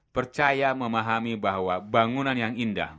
percaya memahami bahwa bangunan yang indah